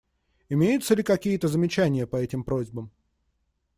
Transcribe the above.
Имеются ли какие-либо замечания по этим просьбам?